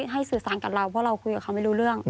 สื่อสารกับเราเพราะเราคุยกับเขาไม่รู้เรื่อง